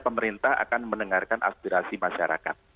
pemerintah akan mendengarkan aspirasi masyarakat